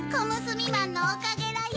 びまんのおかげらよ。